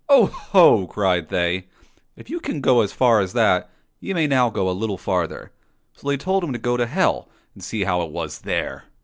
'* Oh ho !" cried they, " if you can go as far as that, you may now go a little farther "; so they told him to go to hell and see how it was there.